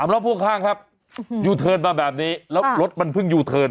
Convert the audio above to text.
รถพ่วงข้างครับยูเทิร์นมาแบบนี้แล้วรถมันเพิ่งยูเทิร์น